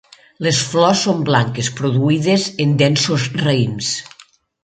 Les flors són blanques, produïdes en densos raïms.